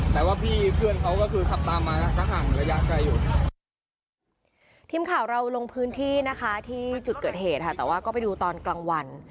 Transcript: ทีมข่าวเราลงพื้นที่นะคะที่จุดเกิดเหตุค่ะแต่ว่าก็ไปดูตอนกลางวัน